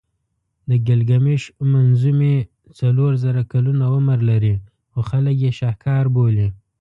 د ګیلګمېش منظومې څلور زره کلونه عمر لري خو خلک یې شهکار بولي.